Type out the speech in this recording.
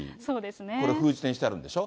これ、封じ手にしてあるんでしょ？